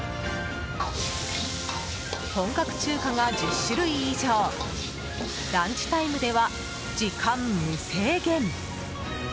本格中華が１０種類以上ランチタイムでは時間無制限。